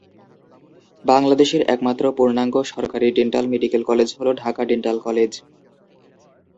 বাংলাদেশের একমাত্র পূর্ণাঙ্গ সরকারি ডেন্টাল মেডিকেল কলেজ হলো ঢাকা ডেন্টাল কলেজ।